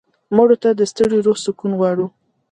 مړه ته د ستړي روح سکون غواړو